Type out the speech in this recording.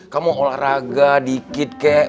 kamu olahraga dikit kek